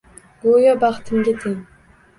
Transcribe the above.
Go’yo baxtimga teng